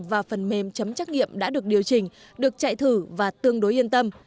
và phần mềm chấm trắc nghiệm đã được điều chỉnh được chạy thử và tương đối yên tâm